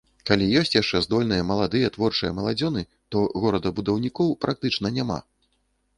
Калі ёсць яшчэ здольныя, маладыя, творчыя маладзёны, то горадабудаўнікоў практычна няма.